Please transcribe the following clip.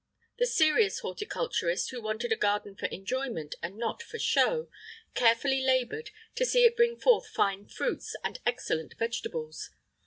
[IX 8] The serious horticulturist, who wanted a garden for enjoyment, and not for show, carefully laboured, to see it bring forth fine fruits and excellent vegetables.